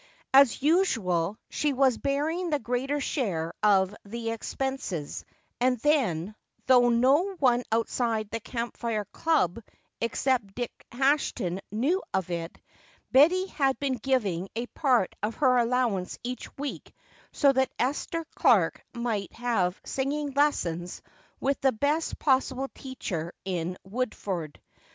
As usual she was bearing the greater share of the expenses and then, though no one outside the Camp Fire club except Dick Ashton knew of it, Betty had been giving a part of her allowance each week so that Esther Clark might have singing lessons with the best possible teacher in Woodford.